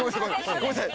ごめんなさい。